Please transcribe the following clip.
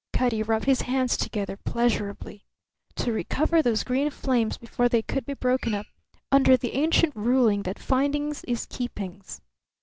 Cutty rubbed his hands together pleasurably. To recover those green flames before they could be broken up; under the ancient ruling that "Findings is keepings."